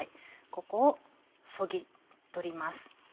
ここをそぎ取ります。